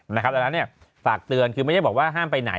นะครับแล้วนี้ฝากเตือนคือไม่ได้บอกว่าห้ามไปไหน